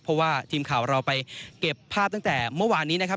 เพราะว่าทีมข่าวเราไปเก็บภาพตั้งแต่เมื่อวานนี้นะครับ